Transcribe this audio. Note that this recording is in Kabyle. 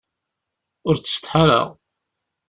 Ur ttsetḥi ara.